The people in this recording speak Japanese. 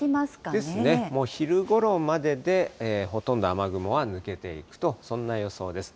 ですね、もう昼ごろまでで、ほとんど雨雲は抜けていくと、そんな予想です。